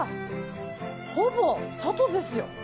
ほぼ外ですよ。